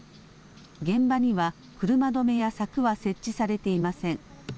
現場には車止めや柵は設置されていません。